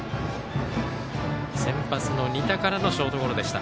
先発の仁田からのショートゴロでした。